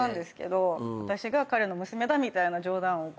私が彼の娘だみたいな冗談を。